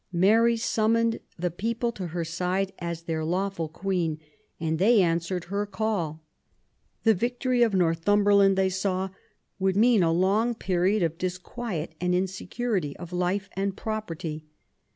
Mary summoned the people to her side as their lawful Queen, and they answered her call. The victory of Northumberland, they saw, would mean a long period of disquiet, and insecurity of life and property.